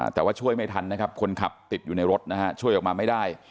แต่ว่าช่วยไม่ทันคนขับติดอยู่ในรถช่วยออกมาไม่ได้